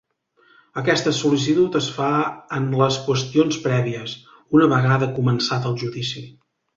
Aquesta sol·licitud es fa en les qüestions prèvies, una vegada començat el judici.